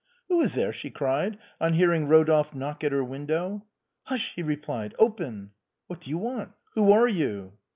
"Who is there?" she cried, on hearing Eodolphe knock at her window. " Hush !" he replied ;" open !"" What do you want ? Who are you